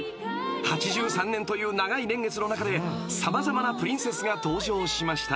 ［８３年という長い年月の中で様々なプリンセスが登場しました］